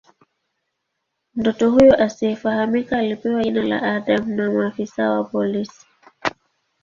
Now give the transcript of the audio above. Mtoto huyu asiyefahamika alipewa jina la "Adam" na maafisa wa polisi.